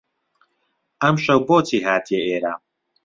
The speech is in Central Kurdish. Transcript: ئەمشەو بۆچی هاتیە ئێرە؟